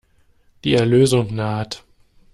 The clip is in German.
Die Erlösung naht.